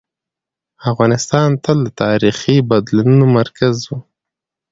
افغانستان تل د تاریخي بدلونونو مرکز و.